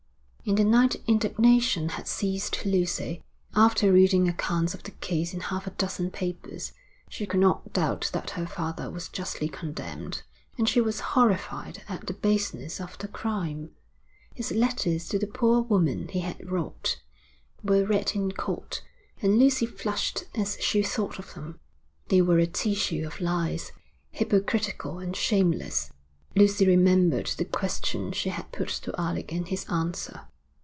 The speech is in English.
In the night indignation had seized Lucy. After reading accounts of the case in half a dozen papers she could not doubt that her father was justly condemned, and she was horrified at the baseness of the crime. His letters to the poor woman he had robbed, were read in court, and Lucy flushed as she thought of them. They were a tissue of lies, hypocritical and shameless. Lucy remembered the question she had put to Alec and his answer.